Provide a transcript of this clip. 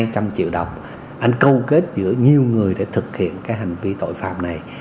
một trăm linh triệu đồng anh câu kết giữa nhiều người để thực hiện cái hành vi tội phạm này